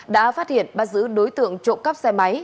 đã phát hiện bắt giữ đối tượng trộm cắp xe máy